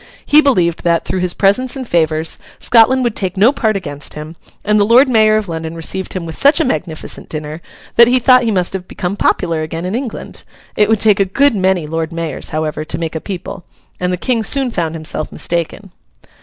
He believed that, through his presents and favours, Scotland would take no part against him; and the Lord Mayor of London received him with such a magnificent dinner that he thought he must have become popular again in England. It would take a good many Lord Mayors, however, to make a people, and the King soon found himself mistaken.